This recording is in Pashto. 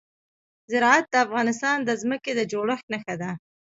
زراعت د افغانستان د ځمکې د جوړښت نښه ده.